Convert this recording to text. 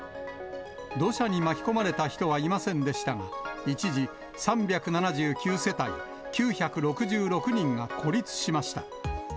土砂に巻き込まれた人はいませんでしたが、一時３７９世帯９６６人が孤立しました。